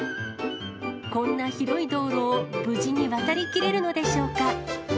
こんな広い道路を、無事に渡りきれるのでしょうか。